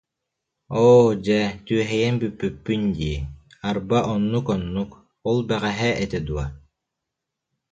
Оо, дьэ, түөһэйэн бүппүппүн дии, арба, оннук-оннук, ол бэҕэһээ этэ дуо